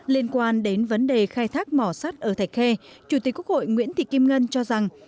liên quan đến vấn đề khai thác mỏ sắt ở thạch khê chủ tịch quốc hội nguyễn thị kim ngân cho rằng